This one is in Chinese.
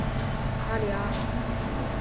阿利阿。